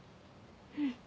うん。